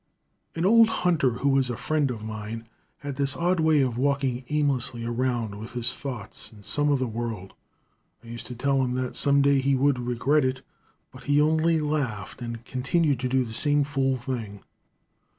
An old hunter, who was a friend of mine, had this odd way of walking aimlessly around with his thoughts in some other world. I used to tell him that some day he would regret it, but he only laughed and continued to do the same fool thing.